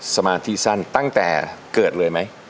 สมาธิสั้นตั้งแต่เกิดเลยไหม